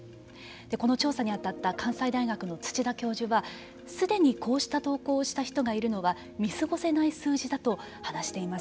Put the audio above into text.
この調査に当たった関西大学の土田教授はすでにこうした投稿をした人がいるのは見過ごせない数字だと話しています。